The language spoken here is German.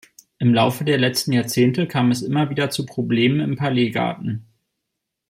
Im Laufe der letzten Jahrzehnte kam es immer wieder zu Problemen im Palaisgarten.